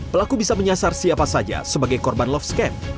pelaku bisa menyasar siapa saja sebagai korban love scam